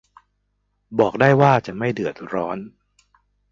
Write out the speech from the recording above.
บอกได้ว่าจะไม่เดือดร้อน